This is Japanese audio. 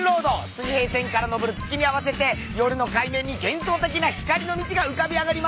水平線から昇る月に合わせて夜の海面に幻想的な光の道が浮かび上がります。